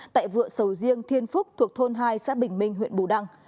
tại vựa sầu riêng thiên phúc thuộc thôn hai xã bình minh huyện bù đăng